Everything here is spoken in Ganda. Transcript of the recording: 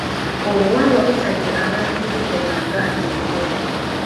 Obuwangwa butadde abantu mu bikolwa nga ebyo.